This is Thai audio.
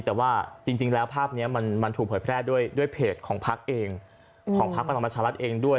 แต่ว่าจริงแล้วภาพนี้มันถูกโผล่แพร่ด้วยเพจของพลังประชารัฐเองด้วย